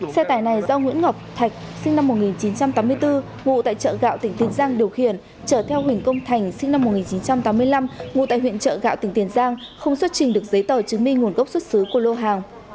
xe tải này do nguyễn ngọc thạch sinh năm một nghìn chín trăm tám mươi bốn ngụ tại chợ gạo tỉnh tiền giang điều khiển chở theo huỳnh công thành sinh năm một nghìn chín trăm tám mươi năm ngụ tại huyện chợ gạo tỉnh tiền giang không xuất trình được giấy tờ chứng minh nguồn gốc xuất xứ của lô hàng